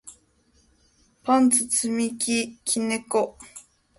パンツ積み木猫